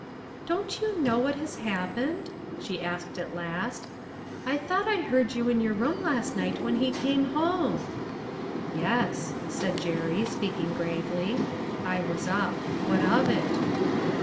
"Don't you know what has happened?" she asked at last. " I thought I heard you in your room last night when he came home." " Yes," said Jerry, speaking gravely, " I was up. What of it?"